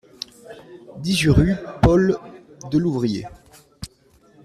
dix-huit rue Paul Delouvrier